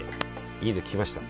いいこと聞きました。